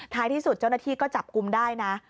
ที่สุดเจ้าหน้าที่ก็จับกลุ่มได้นะ